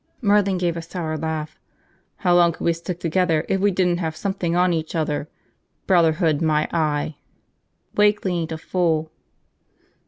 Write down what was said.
Merlin gave a sour laugh. "How long would we stick together if we didn't have something on each other? Brotherhood, my eye!" "Wakeley ain't a fool."